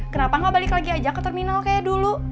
kenapa nggak balik lagi aja ke terminal kayak dulu